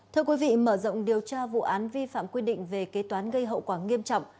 thưa quý vị mở rộng điều tra vụ án vi phạm quy định về kế toán gây hậu quả nghiêm trọng